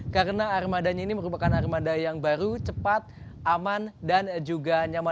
karena armadanya ini merupakan armada yang baru cepat aman dan juga nyaman